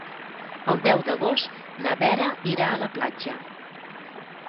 El deu d'agost na Vera irà a la platja.